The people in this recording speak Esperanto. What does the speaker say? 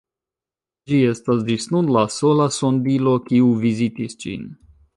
Ĝi estas ĝis nun la sola sondilo, kiu vizitis ĝin.